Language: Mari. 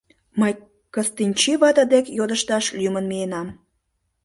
Мый Кыстинчи вате дек йодышташ лӱмын миенам.